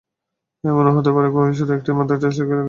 এমনও হতে পারে, কোহলি শুধু একমাত্র টেস্টটা খেলে দেশে ফিরে গেলেন।